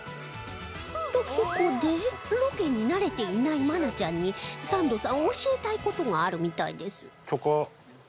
とここでロケに慣れていない愛菜ちゃんにサンドさん教えたい事があるみたいです